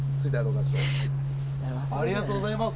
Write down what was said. ありがとうございます。